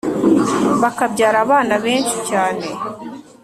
bakabyara abana benshi cyane